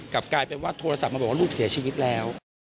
กลับกลายเป็นว่าโทรศัพท์มาบอกว่าลูกเสียชีวิตแล้ว